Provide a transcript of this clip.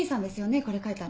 これ書いたの。